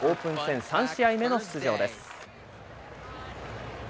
オープン戦３試合目の出場です。